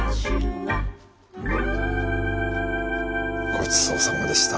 ごちそうさまでした